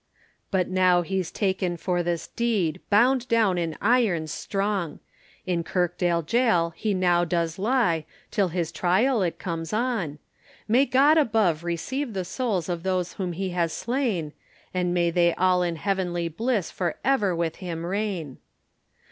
But now he's taken for this deed, bound down in irons strong, In Kirkdale Jail he now does lie, till his trial it comes on, May God above receive the souls of those whom he has slain, And may they all in heavenly bliss for ever with him reign.